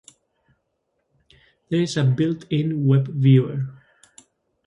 There is a built in web viewer